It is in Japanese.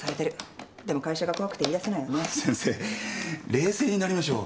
冷静になりましょう。